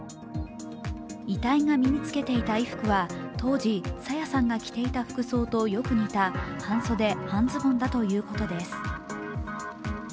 遺体が身に付けていた衣服は当時、朝芽さんが着ていた服装とよく似た半袖・半ズボンだということです。